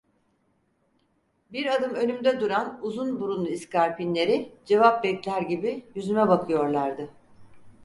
Bir adım önümde duran uzun burunlu iskarpinleri cevap bekler gibi yüzüme bakıyorlardı.